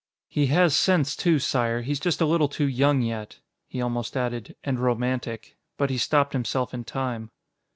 "He has sense, too, Sire; he's just a little too young yet." He almost added "and romantic," but he stopped himself in time.